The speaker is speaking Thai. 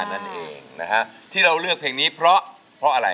นะฮะที่เราเลือกเพลงนี้เพราะเพราะอะไร